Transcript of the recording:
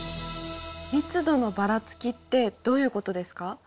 「密度のばらつき」ってどういうことですか？